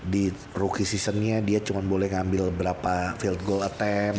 di rookie seasonnya dia cuma boleh ngambil berapa field goal attame